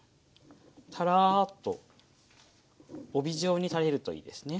タラーッと帯状に垂れるといいですね。